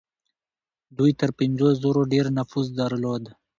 دوی تر پنځو زرو ډېر نفوس درلود.